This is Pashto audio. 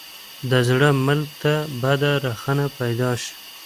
د زړه ملک ته بده رخنه پیدا شي.